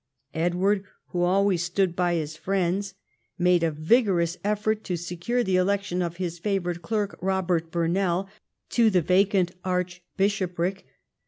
Edward, who always stood by his friends, made 154 EDWARD I chap. a vigorous effort to secure the election of his favourite clerk, Robert Burnell, to the vacant archbishopric.